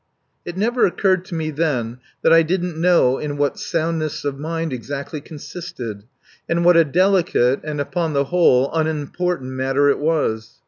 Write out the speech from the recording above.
It never occurred to me then that I didn't know in what soundness of mind exactly consisted and what a delicate and, upon the whole, unimportant matter it was.